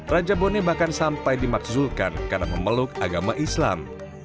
raja boneh bahkan sampai dimaksudkan karena memeluk agama islam